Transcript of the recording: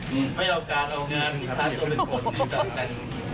ไม่เอาการเอาเงินถ้าจะเป็นคนดีกว่าแบ่ง